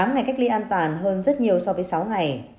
tám ngày cách ly an toàn hơn rất nhiều so với sáu ngày